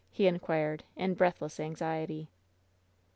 he inquired, in breathless anxiety.